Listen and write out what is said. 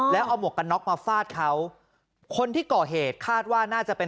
แล้วเอาหมวกกันน็อกมาฟาดเขาคนที่ก่อเหตุคาดว่าน่าจะเป็น